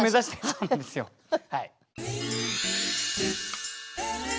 そうなんですよはい。